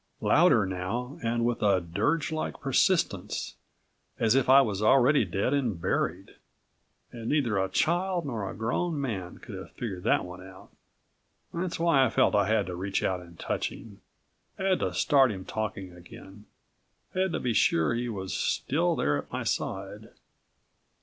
_ Louder now and with a dirgelike persistence, as if I was already dead and buried. And neither a child nor a grown man could have figured that one out. That's why I felt I had to reach out and touch him, had to start him talking again ... had to be sure he was still there at my side.